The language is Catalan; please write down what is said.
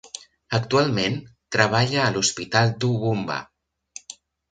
Actualment treballa a l'hospital Toowoomba.